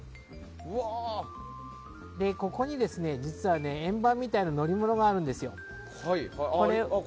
ここに実は円盤みたいな乗り物があるんですよ。